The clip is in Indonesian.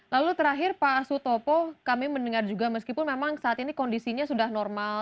lalu terakhir pak sutopo kami mendengar juga meskipun memang saat ini kondisinya sudah normal